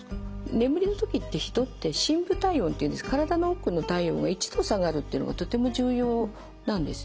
眠りの時って人って深部体温っていうんですけど体の奥の体温が１度下がるっていうのがとても重要なんですね。